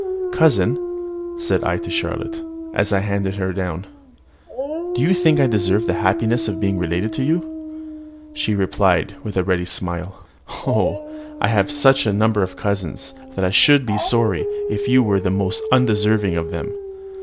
"Cousin," said I to Charlotte, as I handed her down, "do you think I deserve the happiness of being related to you?" She replied, with a ready smile, "Oh! I have such a number of cousins, that I should be sorry if you were the most undeserving of them."